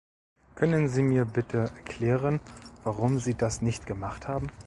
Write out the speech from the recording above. Können Sie mir bitte erklären, warum Sie das nicht gemacht haben?